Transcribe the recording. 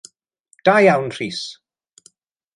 Da iawn Rhys!